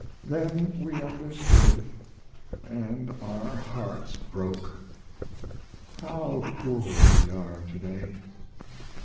Then we understood & our hearts broke. How poor we are to day!